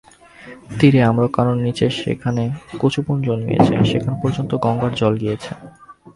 তীরে আম্রকাননের নীচে যেখানে কচুবন জন্মিয়াছে, যেখান পর্যন্ত গঙ্গার জল গিয়াছে।